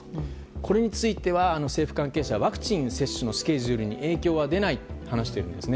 これについては、政府関係者はワクチン接種のスケジュールに影響は出ないと話しているんですね。